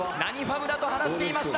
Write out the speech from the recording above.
だと話していました。